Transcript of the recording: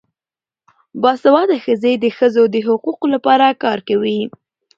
باسواده ښځې د ښځو د حقونو لپاره کار کوي.